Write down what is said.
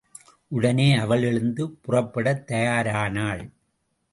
உடனே அவள் எழுந்து புறப்படத் தயாரானாள்.